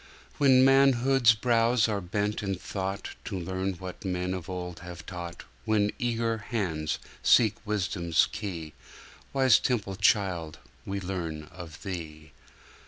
When manhood's brows are bent in thought, To learn what men of old have taught, When eager hands seek wisdom's key, Wise Temple Child, We learn of Thee!